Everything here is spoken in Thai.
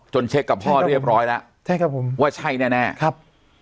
เช็คกับพ่อเรียบร้อยแล้วใช่ครับผมว่าใช่แน่แน่ครับ